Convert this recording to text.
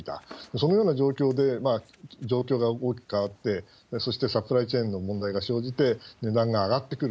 そのような状況で、状況が大きくあって、そしてサプライチェーンの問題が生じて、値段が上がってくる。